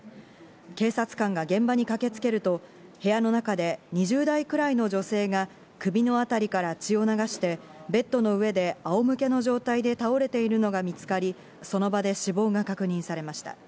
警察官が現場に駆けつけると、部屋の中で２０代くらいの女性が首のあたりから血を流してベッドの上であおむけの状態で倒れているのが見つかり、その場で死亡が確認されました。